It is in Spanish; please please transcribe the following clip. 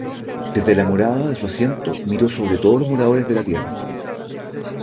Desde la morada de su asiento miró Sobre todos los moradores de la tierra.